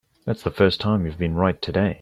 That's the first time you've been right today.